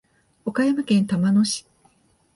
岡山県玉野市